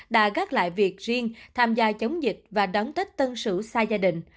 đã gác lại việc riêng tham gia chống dịch và đón tết tân sử xa gia đình